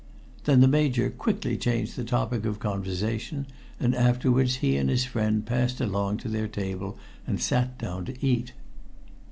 Then the Major quickly changed the topic of conversation, and afterwards he and his friend passed along to their table and sat down to eat.